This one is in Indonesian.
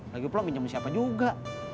lagi plong pinjem siapa juga